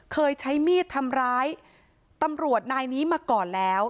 เคยใช้มีดทำร้ายตำรวจนายนี้มาก่อนแล้ว